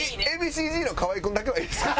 Ａ．Ｂ．Ｃ−Ｚの河合君だけはいいですか？